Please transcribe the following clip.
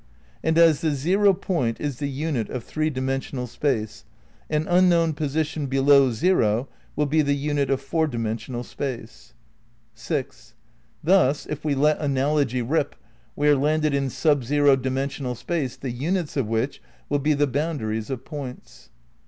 And as the zero point is the unit of three dimensional space, an unknown position below zero will be the unit of four dimensional space. APPENDIX 319 6. Thus, if we let analogy rip we are landed in sub zero dimensional space the units of which will be the boundaries of points.